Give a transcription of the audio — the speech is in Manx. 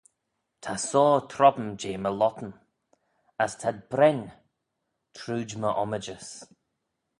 Ta soar trome jeh my lhottyn, as t'ad breinn: trooid my ommijys.